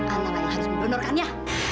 analah yang harus membenarkannya